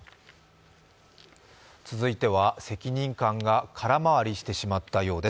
続いては、責任感が空回りしてしまったようです。